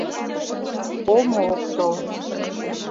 Омо ок тол.